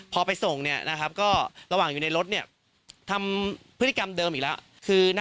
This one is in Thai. พอไปส่งก็ระหว่างอยู่ในรถทำพฤติกรรมเดิมอีกแล้ว